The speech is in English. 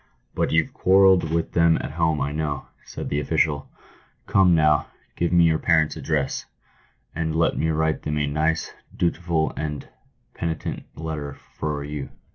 " But youVe quarrelled with them at home, I know," said the official. " Come, now, give me your parents' address, and let me write them a nice, dutiful, and penitent letter for you."